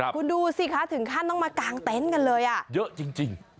คุณดูสิคะถึงขั้นต้องมากางเต็นต์กันเลยอ่ะเยอะจริง